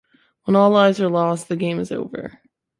When all lives are lost, the game is over.